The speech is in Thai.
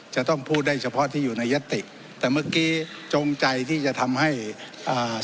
จะต้องพูดได้เฉพาะที่อยู่ในยติแต่เมื่อกี้จงใจที่จะทำให้อ่า